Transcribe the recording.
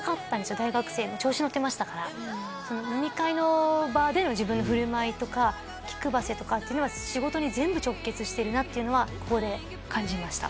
大学生も調子のってましたから飲み会の場での自分の振る舞いとか気くばせとかっていうのは仕事に全部直結してるなっていうのはここで感じました